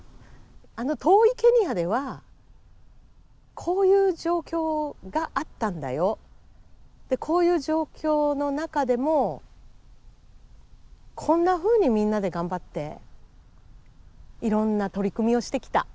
あの遠いケニアではこういう状況があったんだよでこういう状況の中でもこんなふうにみんなで頑張っていろんな取り組みをしてきた。